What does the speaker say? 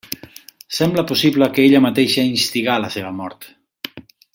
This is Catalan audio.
Sembla possible que ella mateixa instigà la seva mort.